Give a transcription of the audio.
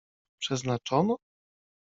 przeznaczono?